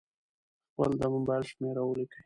خپل د مبایل شمېره ولیکئ.